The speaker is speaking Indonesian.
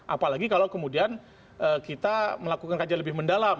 apalagi kalau kemudian kita melakukan kajian lebih mendalam